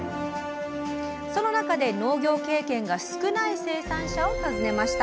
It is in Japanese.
その中で農業経験が少ない生産者を訪ねました